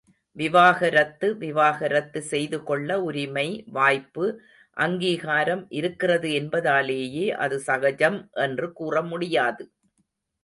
விவாக ரத்து விவாக ரத்து செய்துகொள்ள உரிமை, வாய்ப்பு, அங்கீகாரம் இருக்கிறது என்பதாலேயே அது சகஜம் என்று கூறமுடியாது.